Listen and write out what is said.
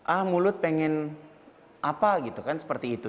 ah mulut pengen apa gitu kan seperti itu